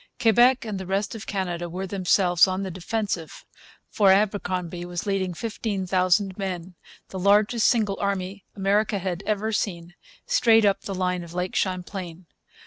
Quebec and the rest of Canada were themselves on the defensive; for Abercromby was leading 15,000 men the largest single army America had ever seen straight up the line of Lake Champlain.